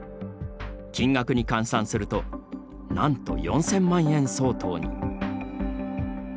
金額に換算するとなんと４０００万円相当に。